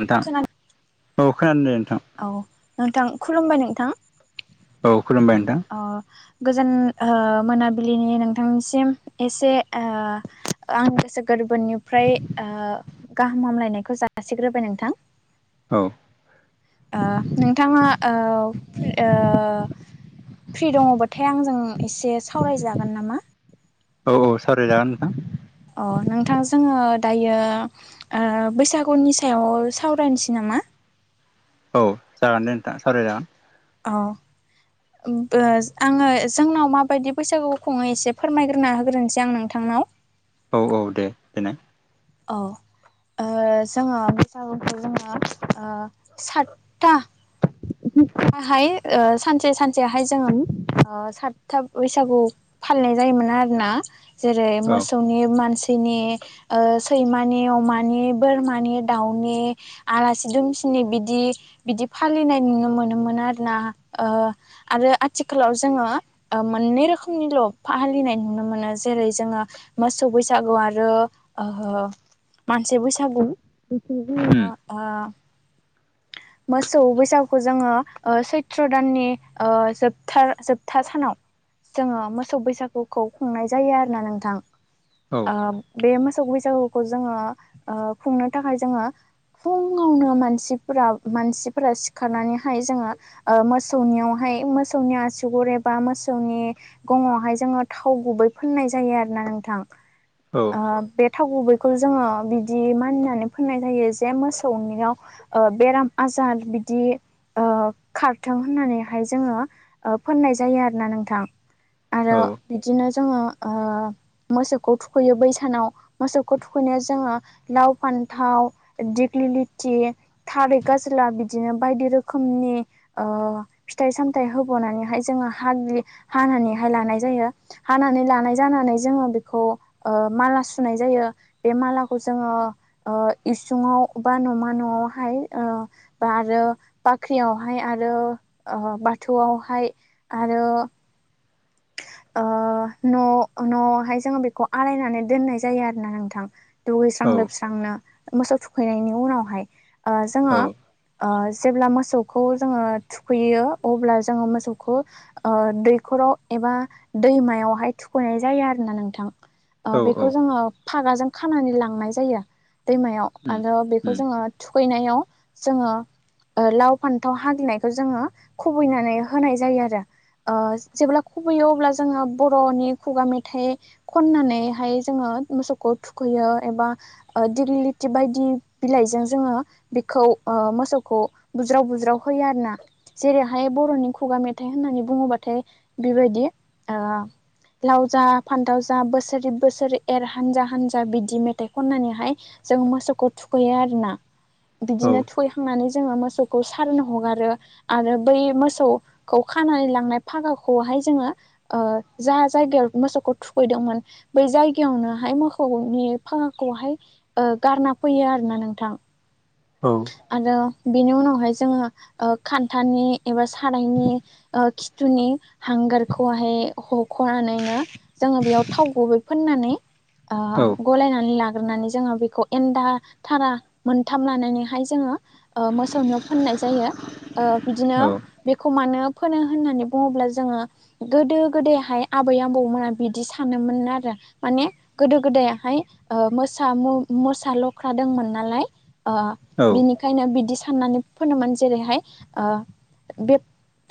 नोंथां खोनादो औ खोनादों दे नोंथां [unintelligible] औ नोंथां खुलुमबाय नोंथां औ खुलुमबाय नोंथां अ गोजोन ओ मोनाबिलिनि नोंथांनिसिम एसे ओ आं गोसो गोरबोनिफ्राय गाहाम हामलायनायखौ जासिग्रोबाय नोंथां औ ओ नोंथाङा ओ फ्रि ओ फ्रि दंङोबाथाय आंजों एसे सावरायजागोन नामा? औ-औ सावराय जागोन नोंथां। अ नोंथां जोंङो दायो ओ बैसागुनि सायाव सावरायनोसै ना मा? औ जागोन दे नोंथां सावराय जागोन। औ ओम बो आंङो जोंनाव माबादि बैसागु खुंङै एसे फोरमायग्रोना होग्रोनोसै आं नोंथां नाव औ-औ दे देनाय औ ओ जोंङो बैसागुखौ जोंङो सातथा बेहाय ओ सानसे सानसेहाय जोंङो सातथा बैसागु फालिनाय जायोमोन आरोना जेरै औ मोसौनि मान सिनि सैमानि, अमानि, बोरमानि, दाउनि, आलासि दुमसि बिदि बिदि फालिनाय नुनो मोनोमोन आरोना ओ आरो आथिखालाव जोंङो ओ मोननै रोखोमनिल' फालिनाय नुनो मोनो जेरै जोंङो मोसौ बैसागु आरो ओहो मानसि बैसागु उम [unintelligible] ओ [inaudible] मोसौ बैसागुखौ जोंङो ओ‌ सैत्र दाननि ओ जोबथा-जोबथा सानाव जोंङो मोसौ बैसागुखौ खुंनाय जायो आरोना नोंथां औ ओ बे मो सौ बैसागुखौ जोंङो ओ खुंनो थाखाय जोंङो फुङावनो मानसि मानसिफोरा सिखारनानैहाय जोंङो ओ मोसौनियावहाय मोसौनि आसुगुर एबा बा मोसौनि गंङावहाय जोंङो थाव गुबै फोननाय जायो आरोना नोंथां औ ओ बे थाव गुबैखौ जोंङो बिदि मानिनानै फोननाय जायो जे मोसौनियाव ओ बेराम आजार बिदि ओ खारथों होननानैहाय जोंङो ओ फोनाय जायो आरोना नोंथा आरो औ बिदिनो जोंङो ओ मोसौखौ थुखैङो बैसानाव मोसौखौ थुखैनायाव जोङा, लाव, फान थाव, देखलि लिथि, थारै गाज्ला बिदिनो बायदि रोखोमनि ओ फिथाइ-सामथाइ होबोनानैहाय जोंङो हाग्लि हानानैहाय लानाय जायो हानानै लानाय जानानै जोंङो बेखौ ओ माला सुनाय जायो बे मालाखौ जोंङो ओ इसुङाव बा नमा न'आव हाय ओ बा आरो बाख्रियावहाय आरो बाथौआवहाय आरो [inaudible] ओ न-नहाय जोंङो बेखौ आलायनानै दोननाय जायो आरोना नोंथां। दुगैस्रां लोबस्रांनो मोसौ थुखैनायनि उनावहाय ओ औ जोंङो ओ जेब्ला मोसौखौ जोंङो थुखैयो अब्ला जोंङो मोसौखौ ओ दैखराव एबा दैमायावहाय थुखैनाय जायो आरोना नोंथां ओ औ औ बेखौ जोङो। फागाजों खानानै लांनाय जायो दैमायाव उम आरो बेखौ उम जोङो थुखैनायाव। जोङो। लाव फान्थाव हाग्लिनायखौ जोङो खुबैनानै होनाय जायो आरो जेब्ला। खुबैयो अब्ला जोङो बर'नि खुगा मेथाइ खननानैहाय जोङो मोसौखौ थुखै। होयो एबा दि लिथि बायदि बिलाइजों जोङो बिखौ मोसौखौ। बुज्राव बुज्राव होयो आरोना जेरैहाय बर'नि खुगा मेथाइ होननानै बुङोबाथाय। बेबायदि। लाव जा फानथाव जा बोसोरै बोसोरै एर हानजा हानजा बिदि मेथाइ खननानैहाय। जों मोसौखौ थुखैयो आरोना औ बिदिनो थुखैखांनानै। जों मोसौखौ सारोन हगारो आरो बै मोसौखौ खानानै लांनाय फागाखौ। खौहाय जोङो जा जायगायाव मोसौखौ थुखैदोंमोन बै जायगायावनोहाय। मोसौनि फागाखौहाय गारना फैयो आरोना नोंथां। औ आरो। बेनि उनावहाय जोङो खान्थानि एबा सारायनि खिथुनि हांगार। एगारखौहाय हखनानैनो जोङो बेयाव थाव गुबै फोननानै। ओ औ गलायनानै लाग्रोनानै जोङो बेखौ एन्दा थारा मोनथाम लानानै। ओमफ्राय जोंओ मोसौनियाव फोननाय जायो ओ बेदिनो बे। खौ मानो फोनो होननानै बुङोब्ला जोङो गोदो गोदायहाय आबै आबौमोना बिदि सानोमोन। मोन आरो माने गोदो गोदायाहाय ओ मोसा लख्रा दंमोन नालाय। ओ बेनिखायनो बिदि। साननानै फोनोमोन जेरैहाय ओ बे।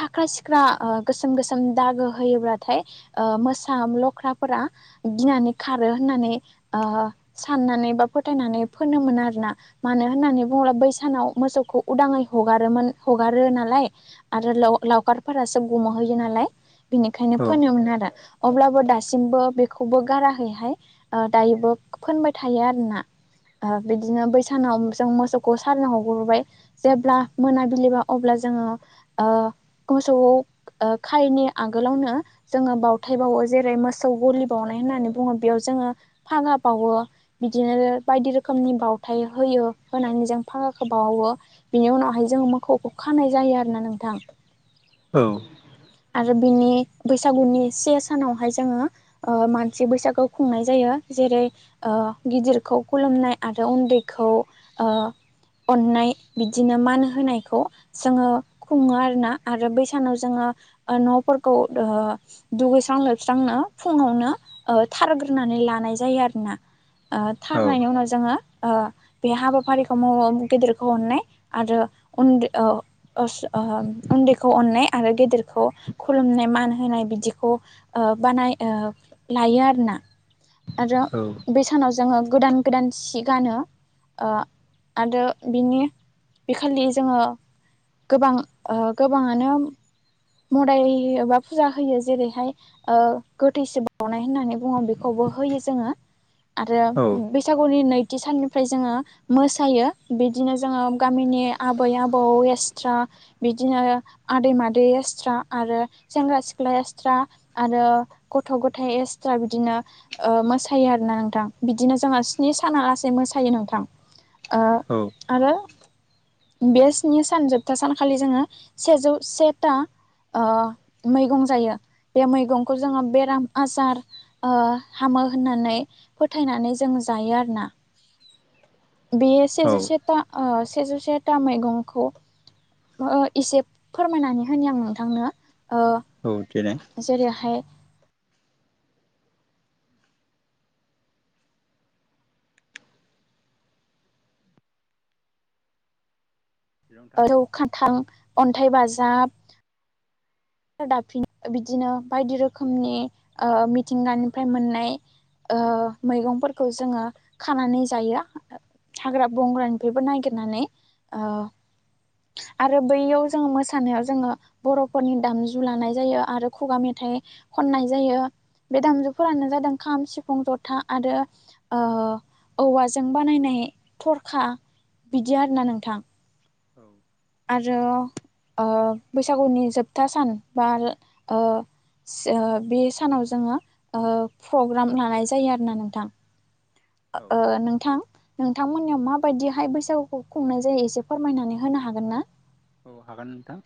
फाख्रा सिख्रा गोसोम गोसोम दागो होयोब्लाथाय मोसा लख्राफोरा। गिनानै खारो होननानै साननानै बा फोथायनानै फोननो मोन आरोना। मानो होननानै। बुंब्ला बै सानाव मोसौखौ उदाङै हगारोमोन हगारो नालाय आरो लावखारफोरा। मोसौ गुमहैयो नालाय बिनिखायनो फोनोमोन आरो। अब्लाबो दासिमबो बेखौबो गाराहैहाय दायोबो फोनबाय थायो आरोना। बिदिनो बैसानाव जों मोसौ। खौ सारोन हगारबाय जेब्ला मोनाबिलिबा अब्ला जोङो। मोसौ खायनि आगोलावनो जोङो बावथाय बावो जेरै मोसौ गलि बावनाय। होननानै बुङो बेयाव जोङो फागा बावो बिदिनो बायदि रोखोमनि बावउथाय होयो। [unintelligible] [inaudible] फागाखौ बावो बिनि उनावहाय जों मोसौखौ खानाय जायो आरोना नोंथां। औ। आरो बिनि बैसागुनि से सानावहाय जोङो मानसि बैसागो खुंनाय जायो। जेरै गिदिरखौ खुलुमनाय आरो उन्दैखौ ओ। अननाय बिदिनो मान होनायखौ जोङो खुङो आरोना आरो बै सानाव जोङो। न'फोरखौ दुगैस्रां लोबस्रांनो फुङावनो थारग्रोनानै लानो। नाय जायो आरोना थारनायनि उनाव जोङो। ओ बे हाबाफारिखौ माव गेदेरखौ अननाय आरो उन्दै। उन्दैखौ अननाय आरो गेदेर। खौ खुलुमनाय मान होनाय बिदिखौ बानाय लायो आरोना। आरो बे सानाव जोङो। गोदान गोदान सि गानो आरो बिनि। बे खालि जोङो गोबां गोबाङानो। मदाय बा फुजा होयो जेरैहाय गोथैसो बावउनाय होननानै बुङो बेखौबो। होयो जोंओ आरो बैसागु। फोरनि नैथि साननिफ्राय जोङो मोसायो बिदिनो जोङो गामिनि आबै आबौ। एसट्रा बिदिनो आदै मादै गासै। एक्स्रा आरो सेंग्रा सिख्ला एक्सट्रा आरो गथ' गथाया एक्सट्रा बिदिनो। मोसायो आरो ना नोंथां बिदिनो जोंहा स्नि सानालासे मोसायो नोंथां। आरो। बे स्नि सान जोबथा सानखालि जोङो सेजौ सेथा। मैगं जायो बे मैगंखौ जोङो बेराम आजार। मोहोननानै फोथायनानै जों जायो आरोना। [inaudible] बेयो औ सेजौसेथा सेजौ सेथा मैगंखौ। एसे फोरमायनानै होनो आं नोंथांनो। औ देनाय जेरैहाय। नोंथां रौखान्थां अन्थाइ बाजाब। दाफिन बिदिनो बायदि रोखोमनि मिथिंगानिफ्राय मोननाय। मैगंफोरखौ जोङो खानानै जाया। हाग्रा बंग्रानिफ्रायबो नागिरनानै। आरो बैयाव जोङो मोसानायाव जोङो बर'फोरनि। दामजु लानाय जायो आरो खुगा मेथाइ खननाय जायो। बे दामजुफोरानो जादों खाम सिफुं जथा आरो औवाजों बानायनाय। थरखा बिदि आरोना नोंथां। औ। आरो बैसागुनि जोबथा सान बा। बे सानाव जोङो प्रग्राम लानाय जायो आरोना नोंथां। औ नोंथां। नोंथांमोननियाव माबायदिहाय बैसागुखौ खुंनाय जायो एसे फोरमायनानै होनो हागोन ना। औ हागोन नोंथां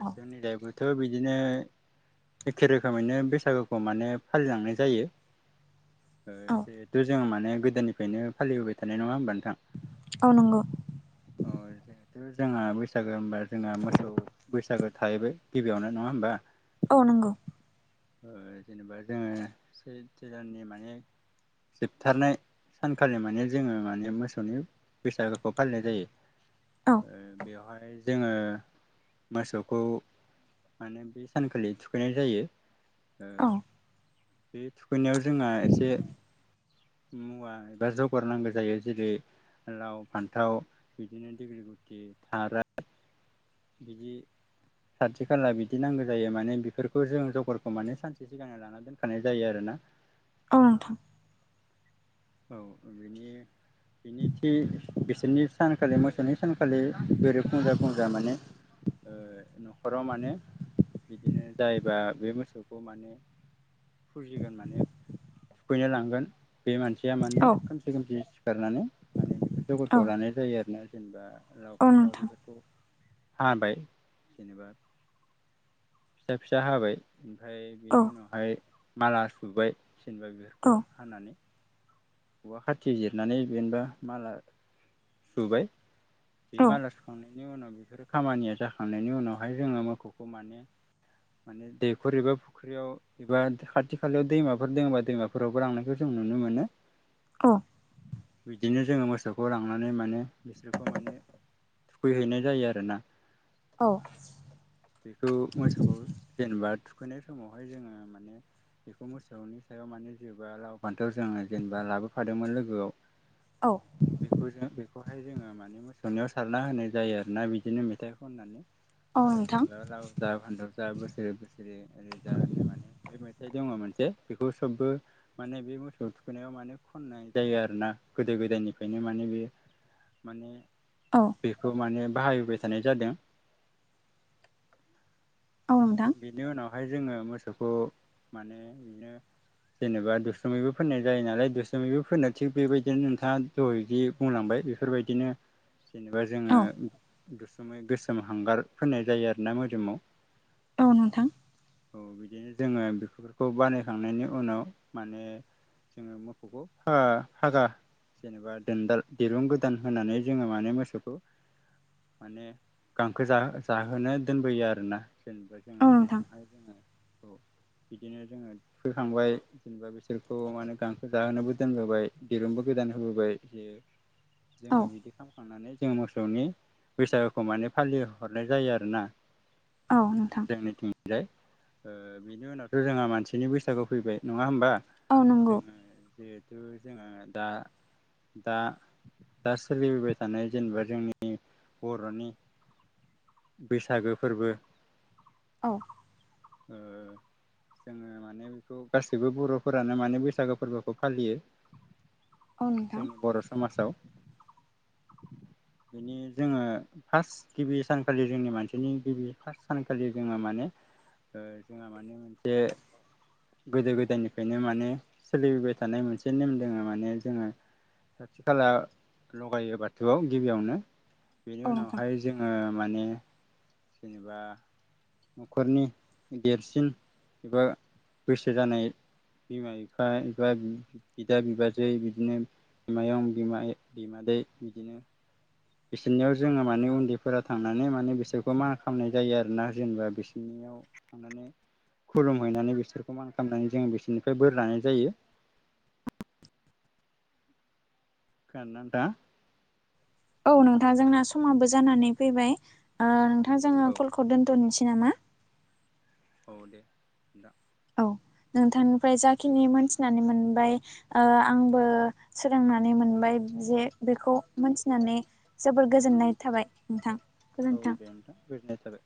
औ जोंनि दाइफखौथ' बिदिनो। एखे रोखोमैनो बैसागुखौ माने फालिलांनाय जायो। औ जिहेथु जोङो माने गोदोनिफ्रायनो फालिबोबाय थानाय नङा होमबा नोंथां? अ नंगौ। अ जिहेथु जोंहा बैसागो होनबा जोंहा मोसौ बैसागो थाहैबाय गिबियावनो नङा होमबा? औ नंगौ। जेनेबा जोङो सेलनि माने जोबथारनाय। सानखालि माने जोङो माने मोसौनि बैसागोखौ फालिनाय जायो। औ बेवहाय जोङो मोसौखौ। माने बे सानखालि थुखैनाय जायो। औ बे थुखैनायाव जोंहा एसे। मुवा एबा जगारनांगौ जायो जेरै। लाव फान्थाव बिदिनो दगलि गुथि थार। बिदि। साथि खाला बिदि नांगौ जायो माने बेफोरखौ जों जगरखौ माने सानसे सिगांना लाना दोन। होखानाय जायो आरो ना। औ नोंथां। औ बेनि। बिनि थि बिसोरनि सानखालि मोसौनि सानखालि बेरेफुंजा फुंजा माने। न'खराव माने बिदिनो जायोबा बे मोसौखौ माने। फुजिगोन माने थुखैनो लांगोन बे मानसि। खया माने औ खोमसि खोमसि सिखारनानै माने बेफोर औ जगरखौ लानाय जायो आरो ना जेनेबा। लाव औ फान्थाव नोंथां बेफोरखौ। हाबाय जेनेबा फिसा फिसा हाबाय। ओमफ्राय औ बेनि उनावहाय माला सुबाय जेनबा औ बेफोरखौ हानानै। औवा खाथि जिरनानै जेनबा माला सुबाय। बे माला सुखांनायनि उनाव बेफोरो खामानिया जाखांनायनि उनावहाय जोङो मोसौखौ माने। माने दैखर एबा फुख्रियाव एबा खाथि खालायाव दैमाफोर दङबा दैमाफोरावबो लांनायखौ जों। नुनो मोनो। औ। बिदिनो जोङो मोसौखौ लांनानै माने बिसोरखौ माने। थुखैहैनाय जायो आरोना। औ बेखौ मोसौखौ जेनेबा थु‌ खैनाय समावहाय जोङो माने बेखौ मोसौनि सायाव माने जेबा लाव फान्थाव जोङो जेनेबा लाबो। फादोंमोन लोगोआव औ बेखौजों बे। बेखौहाय जोङो माने मोसौनियाव सारना होनाय जायो आरोना बिदिनो मेथाइ खननानै। औ नोंथां जेनेबा लाव जा फान्थाव जा बोसोरै बोसोरै ओरै जा होननाय माने बे मे। फिथाइ दङ मोनसे बेखौ सोबबो माने बे मोसौ थुखैनायाव माने। खननाय जायो आरो ना गोदो गोदायनिफ्रायनो माने बे माने। औ बेखौ माने बाहायबोबाय थानाय जादों। औ नोंथां बेनि उनावहाय जोङो मोसौखौ माने बिनो। जेनेबा दुस्रुमैबो फोननाय जायो नालाय दुस्रुमैबो फोननो थिग बेबायदिनो नोंथाङा दहादि बुंलांबाय। बेफोरबायदिनो। जेनेबा जोङो औ दुस्रुमै गोसोम हांगार फोनाय जायो आरोना मोदोमाव। औ नोंथां। औ बिदिनो जोङो बेफोरखौ बानायखांनायनि उनाव माने। जोङो मोखौखौ फागा फागा। जेनेबा दोनदाल दिरुं गोदान होनानै जोङो माने मोसौखौ। माने गांखो जो जाहोनो दोनबोयो आरोना जेनेबा। औ जोङो नोंथां जेथिहाय जोङो औ। बिदिनो जोङो फोखांबाय जेनेबा बिसोरखौ माने गांखो जाहोनोबो दोनबोबाय दिरुंबो गोद। दान होबोबाय जे औ जोङो बिदि खामखांनानै। जों मोसौनि बैसागुखौ माने फालिहरनाय जायो आरोना। औ नोंथां जोंनिथिंजाय ओ बिनि उनावथ' जोंहा मानसिनि बैसागु फैबाय नङा होमबा। औ नंगौ जोङो जिहेथु जोङो दा दा। दा सोलिबोबाय थानाय जेनेबा जोंनि बर'नि। बैसागो फोरबो। औ। ओ। जोङो माने बेखौ गासैबो बर'फोरानो माने बैसागो फोरबोखौ फालियो। औ नोंथां जोंनि बर' समाजाव। बिनि जोङो फार्स्ट गिबि सानखालि जोंनि मानसिनि गिबि फार्स्ट सानखा। खालि जोङो माने जोंहा माने मोनसे। गोदो गोदायनिफ्रायनो माने सोलिबोबाय थानाय मोनसे नेम दोङो माने जोङो। खाथि खाला लगायो बाथौआव गिबियावनो। बेनि औ नोंथां उनावहाय जोङो माने। जेनेबा। न'खरनि देरसिन एबा बैसो जानाय। बिमा बिफा एफा बिदा बिबाजै बिदिनो। बिमायं बिमाय बिमादै बिदिनो। बिसोरनियाव जोङो माने उन्दैफोरा थांनानै माने बिसोरखौ मा खालामनाय जायो आरो ना जेनेबा बिसोरनि। याव थांनानै। खुलुम हैैनानै बिसोरखौ मान खालामनानै जों बिसोरनिफ्राय बोर लानाय जायो। [inaudible] खोनादोंना नोंथांङा। औ नोंथां जोंना समाबो जानानै फैबाय ओ नोंथां जोङो औ कलखौ दोन्थ'नोसै। नामा। औ दे दा औ नोंथांनिफ्राय जाखिनि मोनथिनानै मोनबाय आंबो सोलोंनानै मोन मोनबाय जे बेखौ मोनथिनानै जोबोर गोजोननाय थाबाय नोंथां। औ गोजोन्थों। दे नोंथां गोजोन्नाय थाबाय।